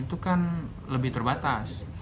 itu kan lebih terbatas